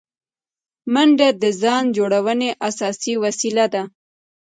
منډه د ځان جوړونې اساسي وسیله ده